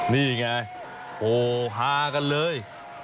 นี่ไงโอ้ฮากันเลย